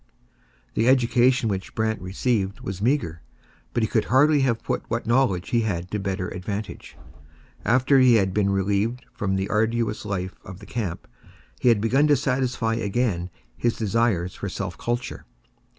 The education which Brant received was meagre, but he could hardly have put what knowledge he had to better advantage. After he had been relieved from the arduous life of the camp, he began to satisfy again his desires for self culture.